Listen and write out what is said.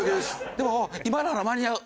でも今なら間に合う